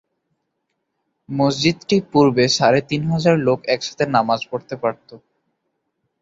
মসজিদটি পূর্বে সাড়ে তিন হাজার লোক একসাথে নামাজ পরতে পারত।